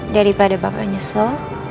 daripada bapak nyesel